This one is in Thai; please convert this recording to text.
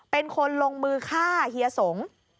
เป็นคนลงมือฆ่าเฮียสงฆ์